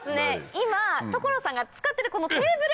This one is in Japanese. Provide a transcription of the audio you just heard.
今所さんが使ってるこのテーブル！